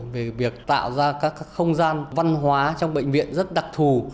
về việc tạo ra các không gian văn hóa trong bệnh viện rất đặc thù